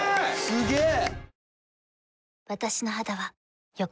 すげえ！